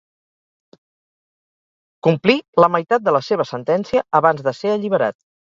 Complí la meitat de la seva sentència abans de ser alliberat.